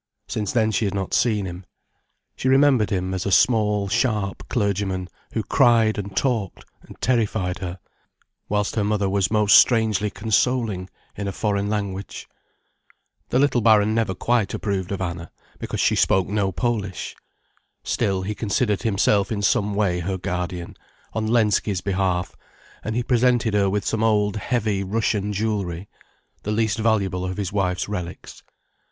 Since then she had not seen him. She remembered him as a small sharp clergyman who cried and talked and terrified her, whilst her mother was most strangely consoling, in a foreign language. The little Baron never quite approved of Anna, because she spoke no Polish. Still, he considered himself in some way her guardian, on Lensky's behalf, and he presented her with some old, heavy Russian jewellery, the least valuable of his wife's relics.